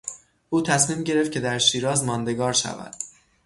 او تصمیم گرفت که در شیراز ماندگار شود.